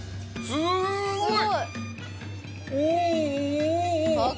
すごい。